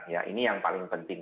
ya ini yang paling penting